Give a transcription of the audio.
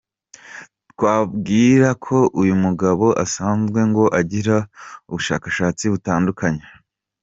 Twababwira ko uyu mugabo asanzwe ngo agira ubushakashatsi butandukanye.